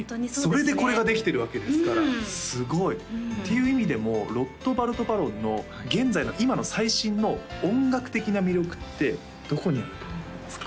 それでこれができてるわけですからすごいっていう意味でもＲＯＴＨＢＡＲＴＢＡＲＯＮの現在の今の最新の音楽的な魅力ってどこにあると思いますか？